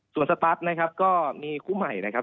ส่วนสตาร์ทนะครับก็มีคู่ใหม่นะครับ